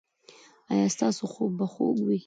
ایا ستاسو خوب به خوږ وي؟